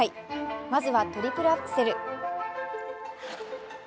まずはトリプルアクセル。